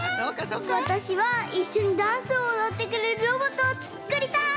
わたしはいっしょにダンスをおどってくれるロボットをつっくりたい！